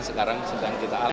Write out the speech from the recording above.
sekarang sedang kita alami